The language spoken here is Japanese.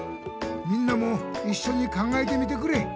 みんなもいっしょに考えてみてくれ！